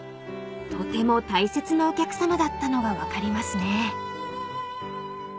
［とても大切なお客さまだったのが分かりますね］